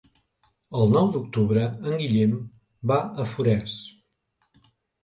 El nou d'octubre en Guillem va a Forès.